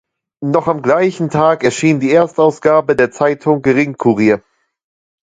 Noch am gleichen Tag erschien die Erstausgabe der Zeitung "Gering Courier".